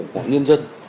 của nhân dân